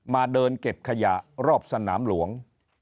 มาเดินเก็บขยะรอบสนามหลวง